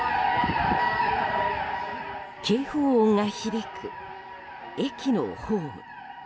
警報音が響く、駅のホーム。